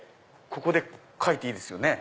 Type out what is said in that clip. ここで描いていいですよね？